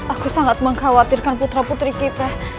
aku sangat mengkhawatirkan putra putri kita